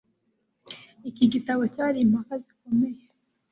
Iki gitabo cyari impaka zikomeye